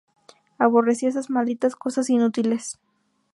Aborrecía esas malditas cosas inútiles.